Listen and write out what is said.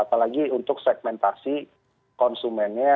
apalagi untuk segmentasi konsumennya